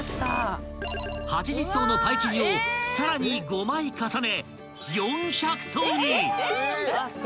［８０層のパイ生地をさらに５枚重ね］